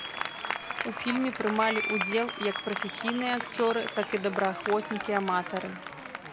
У фільме прымалі ўдзел як прафесійныя акцёры, так і добраахвотнікі-аматары.